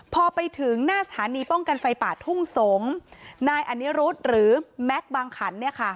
พอไปถึงหน้าสถานีป้องกันไฟป่าทุ่งสงศ์นายอนิรุธหรือแม็กซ์บางขัน